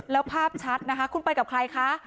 แล้วภาพชัดนะคะคุณไปกับใครคะ